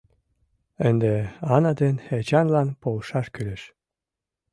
Ынде Ана ден Эчанлан полшаш кӱлеш.